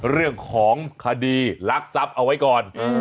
เรื่องของคดีลักทรัพย์เอาไว้ก่อน